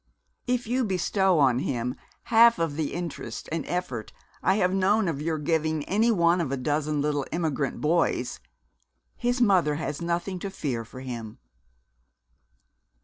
If you bestow on him half of the interest and effort I have known of your giving any one of a dozen little immigrant boys, his mother has nothing to fear for him."